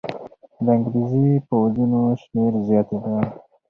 د انګریزي پوځونو شمېر زیاتېده.